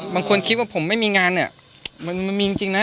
บางคนคิดว่าผมไม่มีงานเนี่ยมันมีจริงนะ